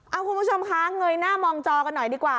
เอาคุณผู้ชมคะเงยหน้ามองจอกันหน่อยดีกว่า